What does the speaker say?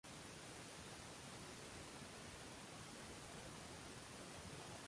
Tilim qurg‘ur birda asal, birda zahar chiqarar.